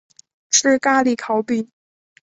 吃咖哩烤饼